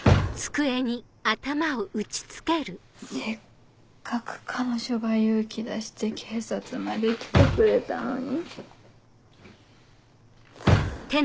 せっかく彼女が勇気出して警察まで来てくれたのに。